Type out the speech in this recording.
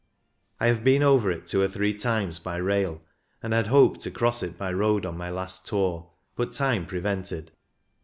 I have been over it two or three times by rail, and had hoped to cross it by road on my last tour, but time prevented.